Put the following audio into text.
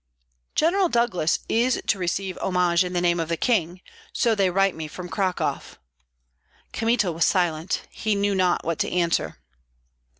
"General Douglas is to receive homage in the name of the king, so they write me from Cracow." Kmita was silent; he knew not what to answer.